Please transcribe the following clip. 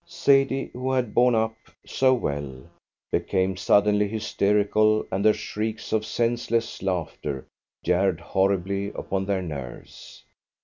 Sadie, who had borne up so well, became suddenly hysterical, and her shrieks of senseless laughter jarred horribly upon their nerves.